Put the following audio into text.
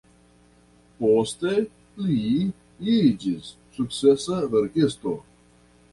Poste li iĝis sukcesa verkisto.